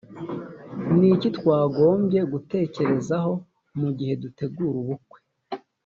ni iki twagombye gutekerezaho mu gihe dutegura ubukwe?